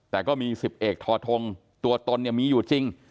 แต่ก็มี๑๐เอกทอทงตัวตนเนี่ยมีอยู่จริง